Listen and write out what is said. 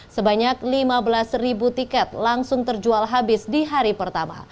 sebanyak lima belas ribu tiket langsung terjual habis di hari pertama